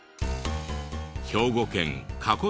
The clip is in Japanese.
兵庫県加古川市の。